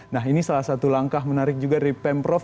nah ini salah satu langkah menarik juga dari pemprov